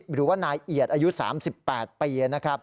หรือว่านายเอียดอายุ๓๘ปี